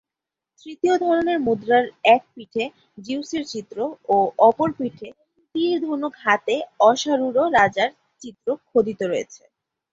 তৃতীয় ধরনের মুদ্রার এক পিঠে জিউসের চিত্র ও অপর পিঠে তীর ধনুক হাতে অশ্বারূঢ় রাজার চিত্র খোদিত রয়েছে।